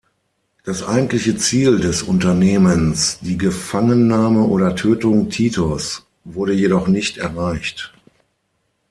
Das eigentliche Ziel des Unternehmens, die Gefangennahme oder Tötung Titos, wurde jedoch nicht erreicht.